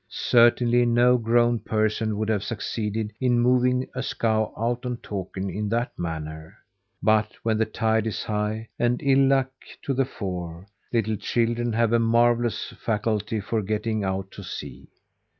Certainly no grown person would have succeeded in moving a scow out on Takern in that manner; but when the tide is high and ill luck to the fore little children have a marvellous faculty for getting out to sea.